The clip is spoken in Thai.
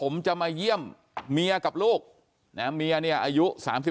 แม่เมียเนี่ยอายุ๓๓